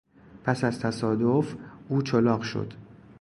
پس از تصادف او چلاق شد.